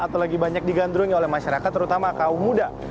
atau lagi banyak digandrungi oleh masyarakat terutama kaum muda